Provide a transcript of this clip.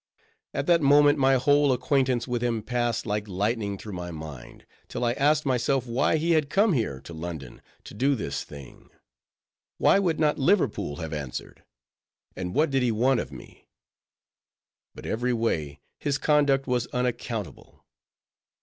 At that moment my whole acquaintance with him passed like lightning through my mind, till I asked myself why he had come here, to London, to do this thing?—why would not Liverpool have answered? and what did he want of me? But, every way, his conduct was unaccountable.